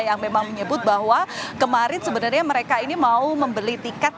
yang memang menyebut bahwa kemarin sebenarnya mereka ini mau membeli tiket